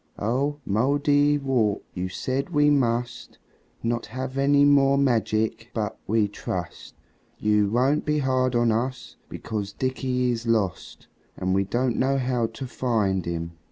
"Oh, Mouldiwarp, you said we must Not have any more magic. But we trust You won't be hard on us, because Dickie is lost And we don't know how to find him."